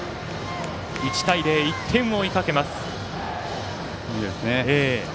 １対０、１点を追いかけます。